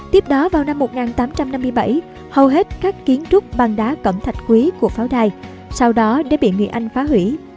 tiếp đó vào năm một nghìn tám trăm năm mươi bảy hầu hết các kiến trúc bằng đá cẩm thạch quý của pháo đài sau đó đã bị người anh phá hủy